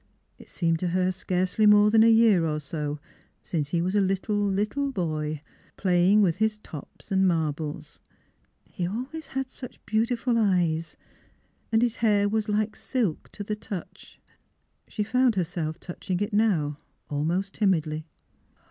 ... It seemed to her scarcely more than a year or so since he was a little, little boy, playing with his tops and marbles. ... He always had such beautiful eyes, and his hair was like silk to the touch. ... She found herself touching it now, almost timidly.